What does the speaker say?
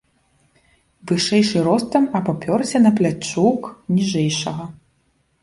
Вышэйшы ростам абапёрся на плячук ніжэйшага.